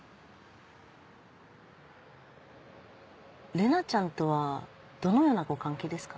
玲奈ちゃんとはどのようなご関係ですか？